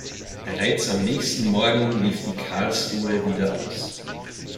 Bereits am nächsten Morgen lief die "Karlsruhe" wieder aus.